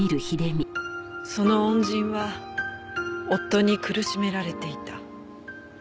その恩人は夫に苦しめられていた。